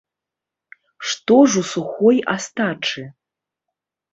Што ж у сухой астачы?